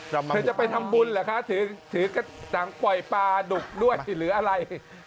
ทำไมเธอจะไปทำบุญเหรอคะถือกระสังปล่อยปลาดุกด้วยหรืออะไร